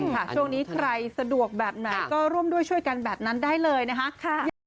ช่วงนี้ใครสะดวกแบบไหนก็ร่วมด้วยช่วยกันแบบนั้นได้เลยนะคะ